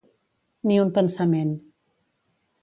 Ni un pensament.